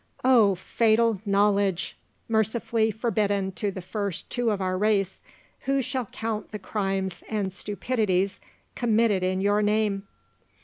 Oh, fatal knowledge! mercifully forbidden to the first two of our race, who shall count the crimes and stupidities committed in your name?